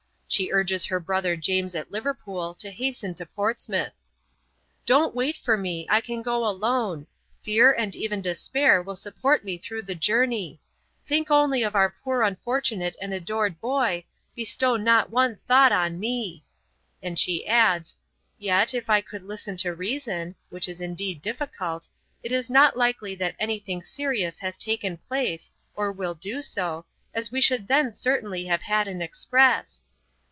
She urges her brother James at Liverpool to hasten to Portsmouth: 'Don't wait for me, I can go alone; fear and even despair will support me through the journey; think only of our poor unfortunate and adored boy, bestow not one thought on me.' And she adds, 'yet, if I could listen to reason (which is indeed difficult), it is not likely that anything serious has taken place, or will do so, as we should then certainly have had an express.'